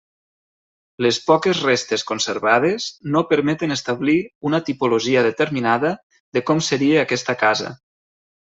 Les poques restes conservades no permeten establir una tipologia determinada de com seria aquesta casa.